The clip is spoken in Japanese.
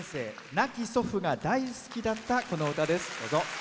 亡き祖父が大好きだったこの歌です。